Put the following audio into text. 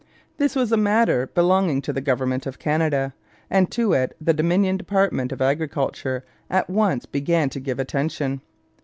This was a matter belonging to the government of Canada, and to it the Dominion department of Agriculture at once began to give attention.